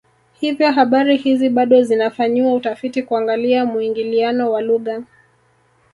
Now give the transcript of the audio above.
Hivyo habari hizi bado zinafanyiwa utafiti kuangalia muingiliano wa lugha